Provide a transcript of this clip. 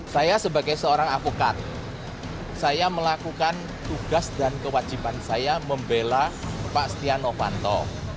saya sebagai seorang avokat saya melakukan tugas dan kewajiban saya membela pak setia novanto